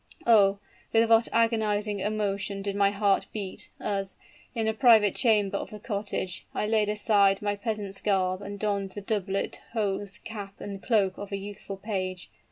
"Oh! with what agonizing emotion did my heart beat, as, in a private chamber of the cottage, I laid aside my peasant's garb and donned the doublet, hose, cap and cloak of a youthful page.